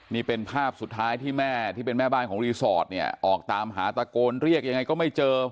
นี่เป็นภาพสุดท้ายที่แม่ที่เป็นแม่บ้านของรีสอร์ทเนี่ยออกตามหาตะโกนเรียกยังไงก็ไม่เจอ